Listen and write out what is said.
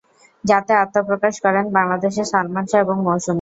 যাতে আত্মপ্রকাশ করেন বাংলাদেশের সালমান শাহ এবং মৌসুমী।